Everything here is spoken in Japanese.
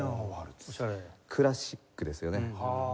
クラシックですよね。